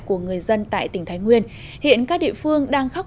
của người dân tại tỉnh thái nguyên hiện các địa phương đang khóc